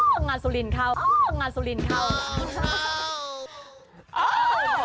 ทำงานสุรินทร์เขาทำงานสุรินทร์เขา